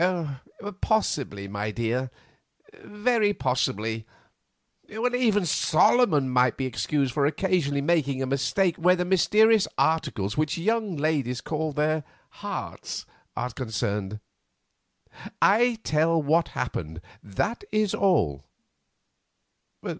"Possibly, my dear, very possibly; even Solomon might be excused for occasionally making a mistake where the mysterious articles which young ladies call their hearts are concerned. I tell what happened, that is all.